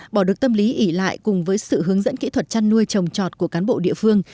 bỏ được tâm lý ỉ lại cùng với sự hướng dẫn kỹ thuật chăn nuôi trồng trọt của cán bộ địa phương